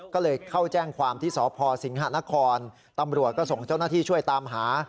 ก็เลยเข้าแจ้งความที่สพสิงหานครตำรวจก็ส่งเจ้าหน้าที่ช่วยตามหา